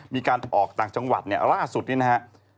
มีการออกต่างจังหวัดนี้ล่าสุดนะฮะ